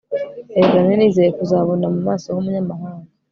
erega nari nizeye kuzabona mu maso h'umunyamahanga